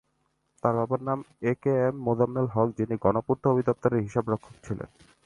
তার বাবার নাম একেএম মোজাম্মেল হক, যিনি গণপূর্ত অধিদফতরের হিসাবরক্ষক ছিলেন।